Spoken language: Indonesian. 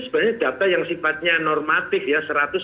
sebenarnya data yang sifatnya normatif ya